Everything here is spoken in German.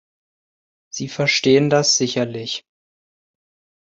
Sie verstehen das sicherlich.